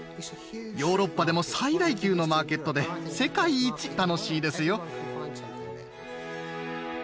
ヨーロッパでも最大級のマーケットで世界一楽しいですよ。